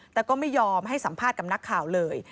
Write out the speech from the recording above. แต่ก็ไม่ยอมให้สัมภาษณ์กับนักข่าวเลย